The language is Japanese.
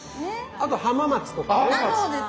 あと浜松とかね。